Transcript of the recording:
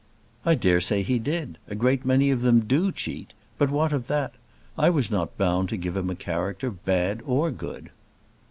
"I daresay he did. A great many of them do cheat. But what of that? I was not bound to give him a character, bad or good."